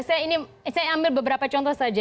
saya ambil beberapa contoh saja